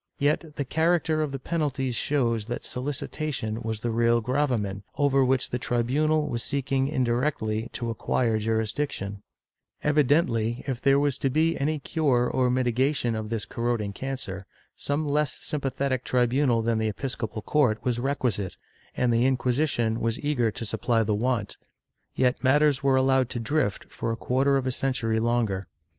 Yet the character of the penalties shows that solicitation was the real gravamen, over which the tribunal was seeking indirectly to acquire jurisdiction/ Evidently, if there was to be any cure or mitigation of this corroding cancer, some less sympathetic tribunal than the episco pal court was requisite, and the Inquisition was eager to supply the want, yet matters were allowed to drift for a quarter of a cen tury longer.